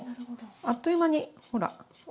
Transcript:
あっという間にほら。